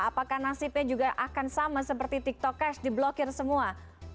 apakah nasibnya juga akan sama seperti tiktok cash diblokir semua